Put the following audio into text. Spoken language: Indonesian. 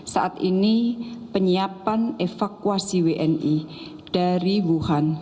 saat ini penyiapan evakuasi wni dari wuhan